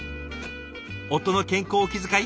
夫の健康を気遣い